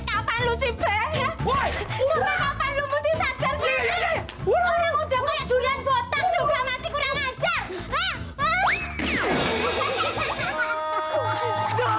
tidak well helping dungu pakaian buatan tunggal masih raya engkau ah